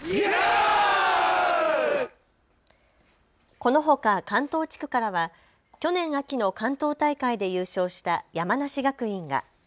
このほか関東地区からは去年秋の関東大会で優勝した山梨学院が。